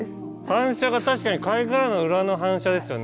反射が確かに貝殻の裏の反射ですよね。